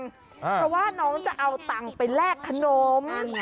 เพราะว่าน้องจะเอาตังค์ไปแลกขนม